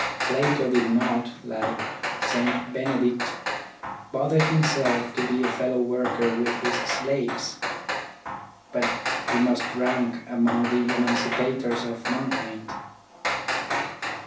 Plato did not, like St. Benedict, bother himself to be a fellow worker with his slaves ; but he must rank among the emancipators of mankind.